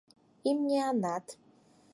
Имнянат